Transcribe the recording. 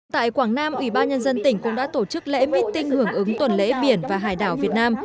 tại quảng nam ủy ban nhân dân tỉnh cũng đã tổ chức lễ meeting hưởng ứng tuần lễ biển và hải đảo việt nam